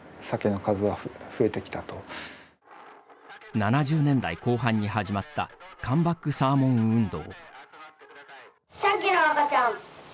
７０年代後半に始まったカムバックサーモン運動。